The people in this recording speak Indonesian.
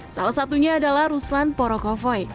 salah satunya adalah ruslan porokovoi